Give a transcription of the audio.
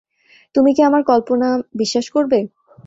তুমি কি আমার কল্পনা বিশ্বাস করবে?